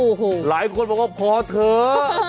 โอ้โหหลายคนบอกว่าพอเถอะ